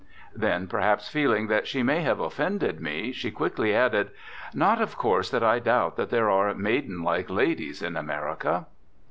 Then, perhaps feeling that she may have offended me, she quickly added: "Not of course that I doubt that there are maidenlike ladies in America."